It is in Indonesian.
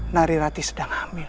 narirati sedang hamil